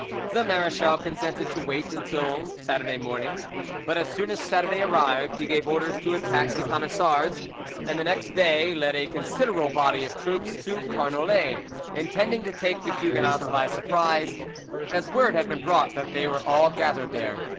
The marechal consented to wait till Saturday morning, but as soon as Saturday arrived he gave orders to attack the Camisards, and the next day led a considerable body of troops to Carnoulet, intending to take the Huguenots by surprise, as word had been brought that they were all gathered there.